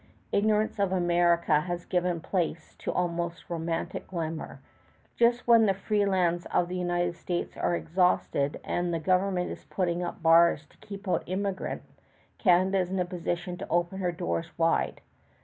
Ignorance of America has given place to almost romantic glamour. Just when the free lands of the United States are exhausted and the government is putting up bars to keep out the immigrant, Canada is in a position to open her doors wide.